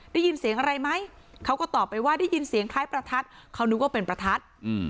ได้ยินเสียงอะไรไหมเขาก็ตอบไปว่าได้ยินเสียงคล้ายประทัดเขานึกว่าเป็นประทัด